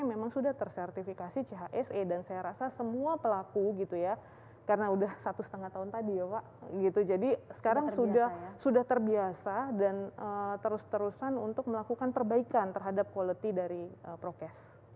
memang sudah tersertifikasi chse dan saya rasa semua pelaku gitu ya karena udah satu setengah tahun tadi ya pak gitu jadi sekarang sudah terbiasa dan terus terusan untuk melakukan perbaikan terhadap quality dari prokes